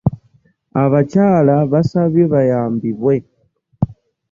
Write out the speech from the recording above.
Abakyala basabye bayambibwe.